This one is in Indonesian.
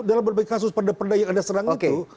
dalam berbagai kasus perda perda yang anda serang itu